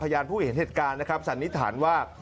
พยานผู้เห็นเหตุการณ์นะครับสันนิษฐานว่า